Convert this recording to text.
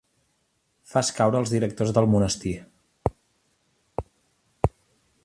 Fas caure els directors del monestir.